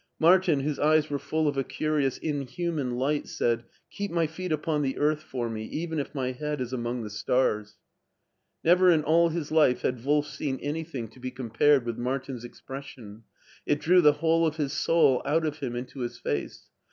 Martin, whose eyes were full of a curious inhuman light, said, *' Keep my feet upon the earth for me, even if my head is amonisr the stars." Never in all his life had Wolf seen an)rthing to be compared with Martin's expression : it drew the whole of his soul out of him into his face.